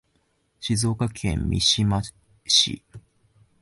静岡県三島市